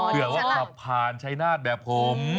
เผื่อว่าขับผ่านชายนาฏแบบผม